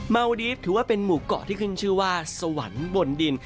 เมาดีฟถือว่าเป็นหมู่เกาะที่ขึ้นชื่อว่าสวรรค์บนดิน